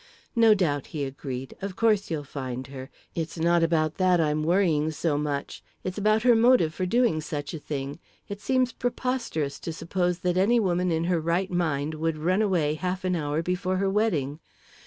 "No doubt," he agreed. "Of course you'll find her it's not about that I'm worrying so much; it's about her motive for doing such a thing. It seems preposterous to suppose that any woman in her right mind would run away half an hour before her wedding.